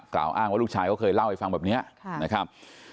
อ้างว่าลูกชายเขาเคยเล่าให้ฟังแบบนี้นะครับ